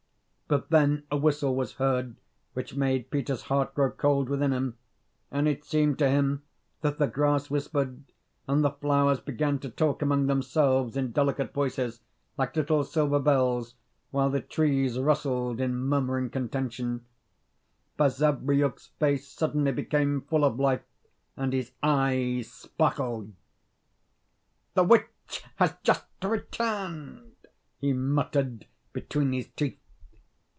But then a whistle was heard which made Peter's heart grow cold within him; and it seemed to him that the grass whispered, and the flowers began to talk among themselves in delicate voices, like little silver bells, while the trees rustled in murmuring contention; Basavriuk's face suddenly became full of life, and his eyes sparkled. "The witch has just returned," he muttered between his teeth.